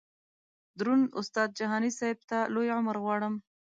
دروند استاد جهاني صیب ته لوی عمر غواړم.